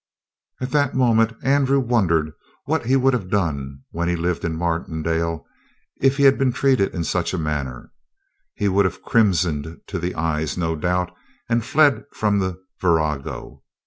At that moment Andrew wondered what he would have done when he lived in Martindale if he had been treated in such a manner. He would have crimsoned to the eyes, no doubt, and fled from the virago.